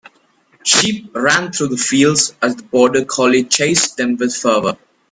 Sheep ran through the fields as the border collie chased them with fervor.